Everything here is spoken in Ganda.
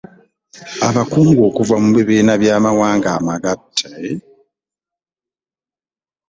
Abakungu okuva mu kibiina ky’Amawanga Amagatte